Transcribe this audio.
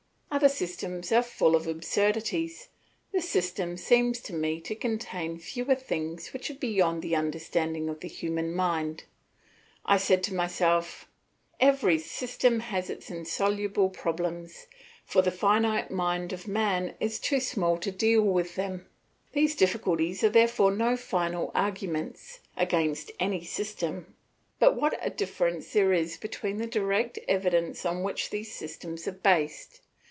Other systems are full of absurdities; this system seems to me to contain fewer things which are beyond the understanding of the human mind. I said to myself, "Every system has its insoluble problems, for the finite mind of man is too small to deal with them; these difficulties are therefore no final arguments, against any system. But what a difference there is between the direct evidence on which these systems are based!